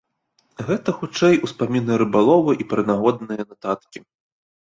Гэта хутчэй успаміны рыбалова і прынагодныя нататкі.